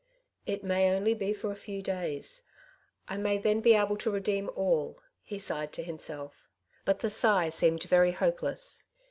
'^ It may only be for a few days ; I may then be able to redeem all,'' he sighed to himself; but the sigh seemed very hopeless.